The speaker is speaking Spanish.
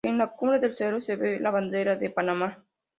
En la cumbre del cerro, se ve la bandera de Panamá.